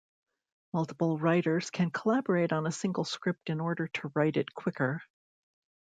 Multiple writers can collaborate on a single script in order to write it quicker.